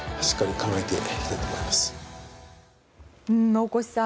大越さん